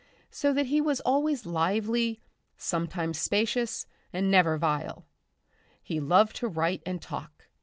So that he was always lively, sometimes spacious, and never vile. He loved to write and talk.